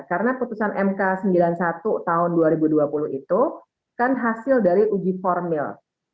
karena putusan mk sembilan puluh satu tahun dua ribu dua puluh itu kan hasil dari uji formil